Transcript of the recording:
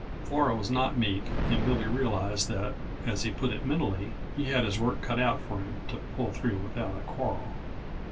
Flora was not meek, and Billy realized that, as he put it mentally, he had his work cut out for him to pull through without a quarrel.